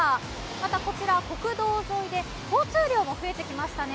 また、こちら国道沿いで交通量が増えてきましたね。